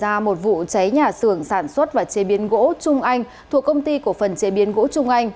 hôm nay là một vụ cháy nhà xưởng sản xuất và chế biến gỗ trung anh thuộc công ty của phần chế biến gỗ trung anh